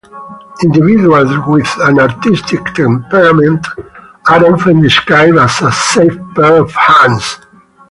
Individuals with an artistic temperament are often described as a safe pair of hands.